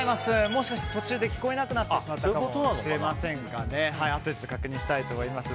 もしかして途中で聞こえなくなってしまったかもしれませんがあとで確認したいと思います。